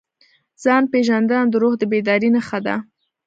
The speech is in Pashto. ځان پېژندنه د روح د بیدارۍ نښه ده.